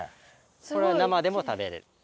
これは生でも食べれる。